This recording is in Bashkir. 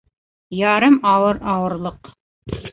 Ярым ауыр ауырлыҡ